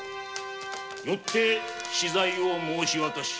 よって死罪を申し渡し